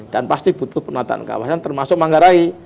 dan pasti butuh penataan kawasan termasuk manggarai